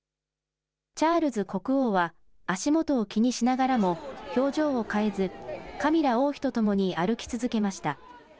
チャールズ国王は足元を気にしながらも、表情を変えず、カミラ王妃と共に歩き続けました。